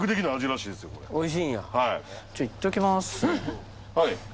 はい。